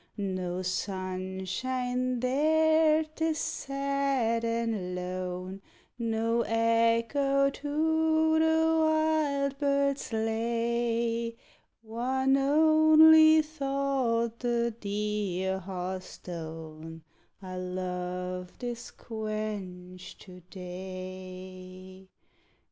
No sunshine there; 'tis sad and lone; No echo to the wild bird's lay; One only thought the dear hearth stone I loved is quenched to day.